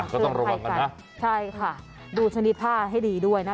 เตือนภัยกันใช่ค่ะดูชนิดผ้าให้ดีด้วยนะคะ